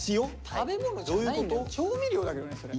食べ物じゃない調味料だけどね